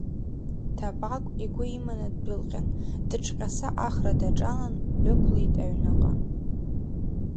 Ҭапагә агәы иманы ддәылҟьан, дыҿҟьаса ахра даҿалан ддәықәлеит аҩныҟа.